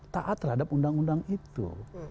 taat terhadap undang undang itu